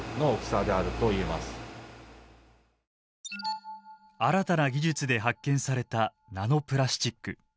新たな技術で発見されたナノプラスチック。